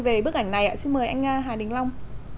về bức ảnh này xin mời anh hà đình long